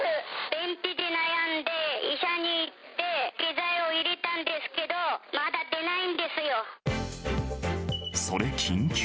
便秘で悩んで医者に行って、下剤を入れたんですけど、それ緊急？